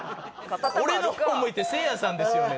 俺の方向いて「せいやさんですよね？」